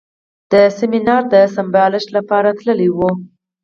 د سیمینار د سمبالښت لپاره تللی و.